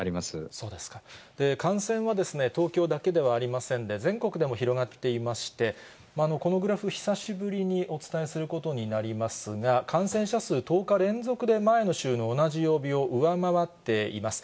感染は東京だけではありませんで、全国でも広がっていまして、このグラフ、久しぶりにお伝えすることになりますが、感染者数、１０日連続で前の週の同じ曜日を上回っています。